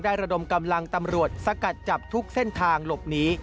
ระดมกำลังตำรวจสกัดจับทุกเส้นทางหลบหนี